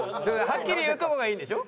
ハッキリ言うとこがいいんでしょ？